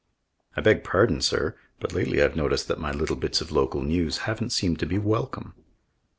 "I beg pardon, sir, but lately I've noticed that my little bits of local news haven't seemed to be welcome."